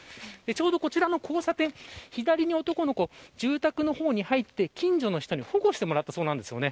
ちょうどこちらの交差点左に、男の子住宅の方に入って、近所の方に保護してもらったそうなんですね。